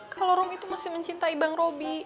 kalau rom itu masih mencintai bang roby